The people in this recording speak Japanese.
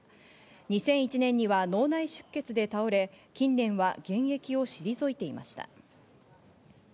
２００１年には脳内出血で倒れ、近年は現役を退いていました。